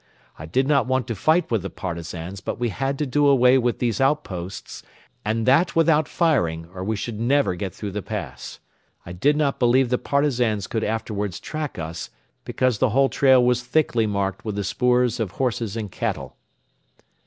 I did not want to fight with the Partisans but we had to do away with these outposts and that without firing or we never should get through the pass. I did not believe the Partisans could afterwards track us because the whole trail was thickly marked with the spoors of horses and cattle.